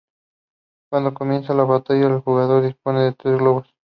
Cuando comienza la batalla, el jugador dispone de tres globos.